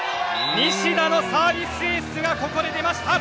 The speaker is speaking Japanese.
西田のサービスエースがここで出ました。